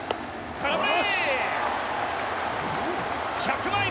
空振り！